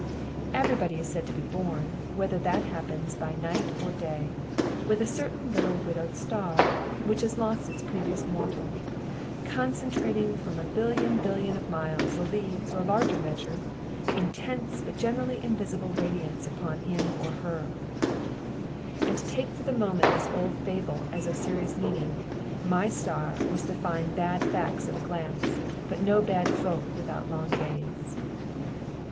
Every body is said to be born, whether that happens by night or day, with a certain little widowed star, which has lost its previous mortal, concentrating from a billion billion of miles, or leagues, or larger measure, intense, but generally invisible, radiance upon him or her; and to take for the moment this old fable as of serious meaning, my star was to find bad facts at a glance, but no bad folk without long gaze.